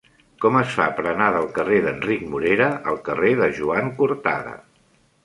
Com es fa per anar del carrer d'Enric Morera al carrer de Joan Cortada?